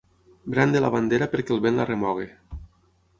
Brandi la bandera perquè el vent la remogui.